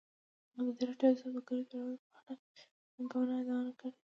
ازادي راډیو د سوداګریز تړونونه په اړه د ننګونو یادونه کړې.